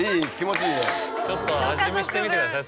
ちょっと味見してみてください。